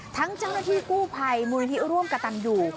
เจ้าหน้าที่กู้ภัยมูลนิธิร่วมกระตันอยู่